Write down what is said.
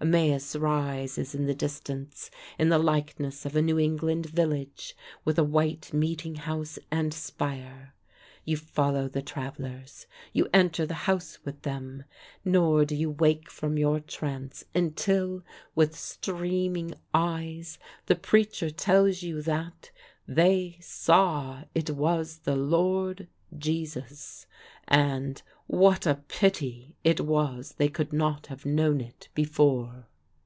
Emmaus rises in the distance, in the likeness of a New England village, with a white meeting house and spire. You follow the travellers; you enter the house with them; nor do you wake from your trance until, with streaming eyes, the preacher tells you that "they saw it was the Lord Jesus and what a pity it was they could not have known it before!"